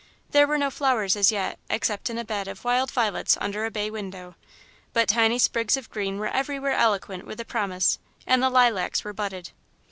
There were no flowers as yet, except in a bed of wild violets under a bay window, but tiny sprigs of green were everywhere eloquent with promise, and the lilacs were budded.